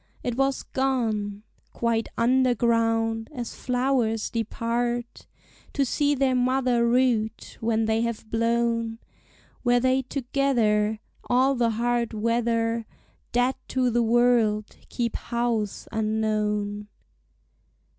It was gone Quite underground; as flowers depart To see their mother root, when they have blown; Where they together All the hard weather, Dead to the world, keep house unknown.